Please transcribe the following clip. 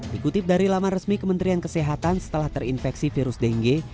dikutip dari laman resmi kementerian kesehatan setelah terinfeksi virus dengue